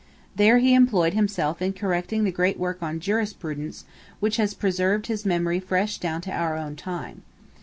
There he employed himself in correcting the great work on jurisprudence which has preserved his memory fresh down to our own time.